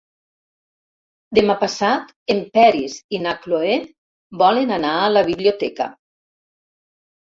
Demà passat en Peris i na Cloè volen anar a la biblioteca.